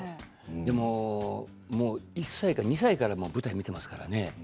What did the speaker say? でももう１歳か２歳からもう舞台を見ていますからね。